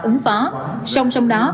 ứng phó song song đó